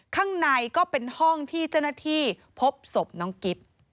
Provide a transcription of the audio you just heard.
ข้างในก็เป็นห้องที่เจ้าหน้าที่พบศพน้องกิฟต์